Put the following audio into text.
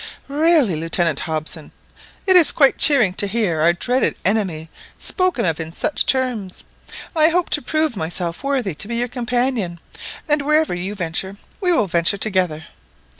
"Really, Lieutenant Hobson, it is quite cheering to hear our dreaded enemy spoken of in such terms. I hope to prove myself worthy to be your companion, and wherever you venture, we will venture together."